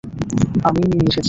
আমিই নিয়ে এসেছি।